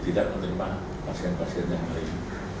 tidak menerima pasien pasien yang lain